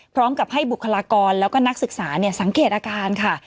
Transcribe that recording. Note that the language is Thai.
พร้อมกับให้บุคลากรแล้วก็นักศึกษาสังเกตอาการค่ะ